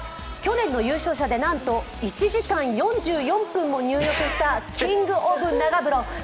去年の優勝者でなんと１時間４４分も入浴したキング・オブ・長風呂。